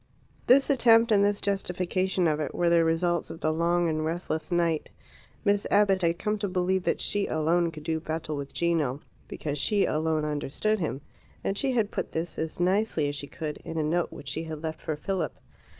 This attempt, and this justification of it, were the results of the long and restless night. Miss Abbott had come to believe that she alone could do battle with Gino, because she alone understood him; and she had put this, as nicely as she could, in a note which she had left for Philip.